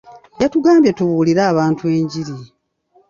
Yatugambye tubuulire abantu enjiri.